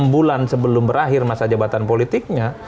enam bulan sebelum berakhir masa jabatan politiknya